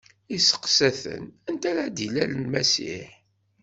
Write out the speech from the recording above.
Isteqsa-ten: Anda ara d-ilal Lmasiḥ?